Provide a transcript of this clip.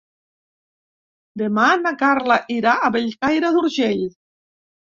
Demà na Carla irà a Bellcaire d'Urgell.